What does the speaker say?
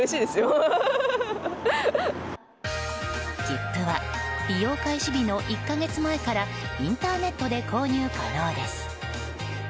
切符は利用開始日の１か月前からインターネットで購入可能です。